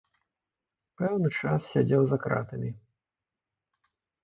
Пэўны час сядзеў за кратамі.